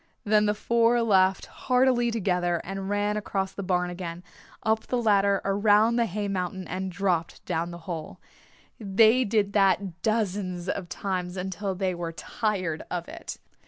Then the four laughed heartily together and ran across the barn again, up the ladder, around the hay mountain and dropped down the hole. They did that dozens of times until they were tired of it.